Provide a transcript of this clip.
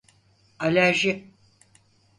Alerji.